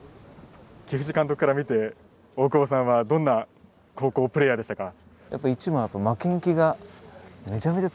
木藤監督から見て大久保さんはどんな高校プレーヤーでしたか？